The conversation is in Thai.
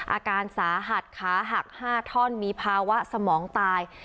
อาการสาหัสขาหัก๕ท่อนมีภาวะสมองตาย